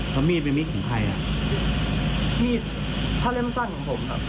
แล้วมีดเป็นมีดของใครอ่ะมีดถ้าเล่มสั้นของผมครับ